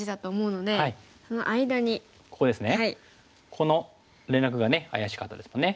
この連絡が怪しかったですもんね。